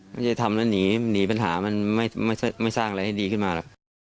มันจะทำแล้วหนีหนีปัญหามันไม่สร้างอะไรให้ดีขึ้นมา